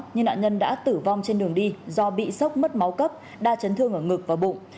nhưng nạn nhân đã tử vong trên đường đi do bị sốc mất máu cấp đa chấn thương ở ngực và bụng